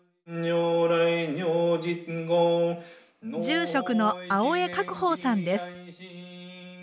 住職の青江覚峰さんです。